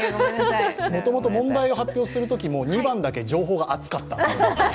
もともと問題を発表するときも、２番だけ情報が厚かった。